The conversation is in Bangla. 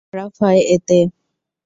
খারাপ হয় এতে?